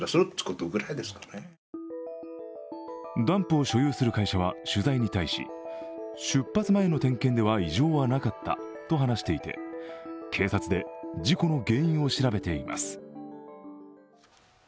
ダンプを所有する会社は取材に対し、出発前の点検では異常はなかったと話していて警察で事故の原因を調べています。